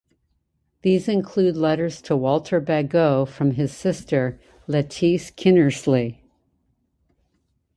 These include letters to Walter Bagot from his sister Lettice Kinnersley.